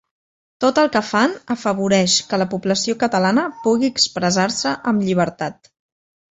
Tot el que fan afavoreix que la població catalana pugui expressar-se amb llibertat.